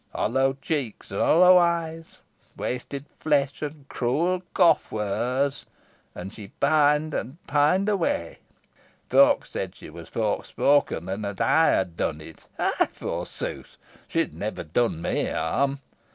Hollow cheeks and hollow eyes, wasted flesh, and cruel cough, were hers and she pined and pined away. Folks said she was forespoken, and that I had done it. I, forsooth! She had never done me harm.